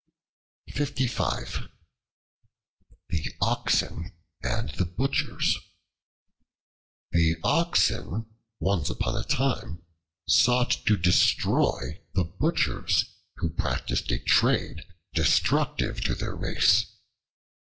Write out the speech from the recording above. The Oxen and the Butchers THE OXEN once upon a time sought to destroy the Butchers, who practiced a trade destructive to their race.